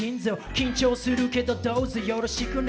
緊張するけどどうぞよろしくね。